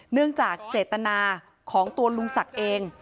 เนื่องจากเจตนาของตัวลุงศักดิ์เอง